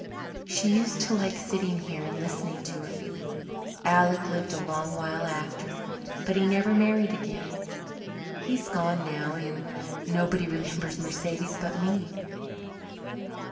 She used to like sitting here and listening to it. Alec lived a long while after, but he never married again. He's gone now, and nobody remembers Mercedes but me."